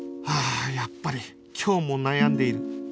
ああやっぱり今日も悩んでいる